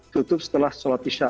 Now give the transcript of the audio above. tutup setelah sholat isya